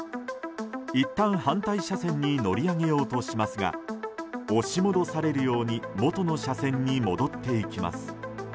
いったん反対車線に乗り上げようとしますが押し戻されるように元の車線に戻っていきます。